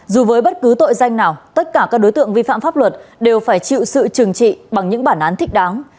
dù với bất cứ tội danh nào tất cả các đối tượng vi phạm pháp luật đều phải chịu sự trừng trị bằng những bản án thích đáng